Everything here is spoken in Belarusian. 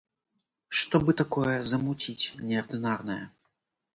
Што бы такое замуціць неардынарнае?